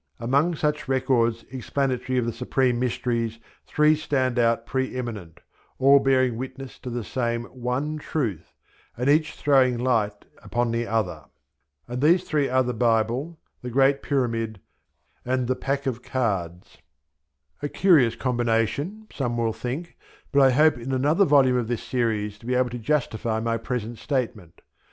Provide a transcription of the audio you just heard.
Among such records explanatory of the supreme mysteries three stand out pre eminent, all bearing witness to the same ONE Truth, and each throwing light upon the other; and these three are the Bible, the Great Pyramid, and the Pack of Cards a curious combination some will think, but I hope in another volume of this series to be able to justify my present statement.